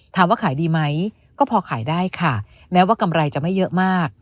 ถามว่าขายดีไหมก็พอขายได้ค่ะแม้ว่ากำไรจะไม่เยอะมาก